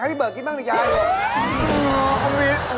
ยายสวัสดีจ๊ะยายขอว่างหน่อยลูกได้คุณยายโอ้โฮ